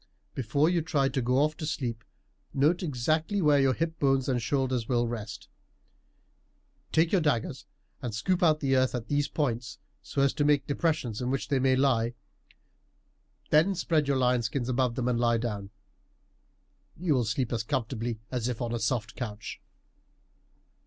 Before you try to go off to sleep note exactly where your hip bones and shoulders will rest; take your daggers and scoop out the earth at these points so as to make depressions in which they may lie. Then spread your lion skins above them and lie down. You will sleep as comfortably as if on a soft couch."